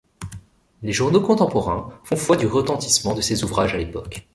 Les journaux contemporains font foi du retentissement de ses ouvrages à l’époque.